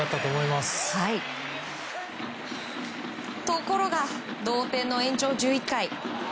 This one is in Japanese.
ところが、同点の延長１１回。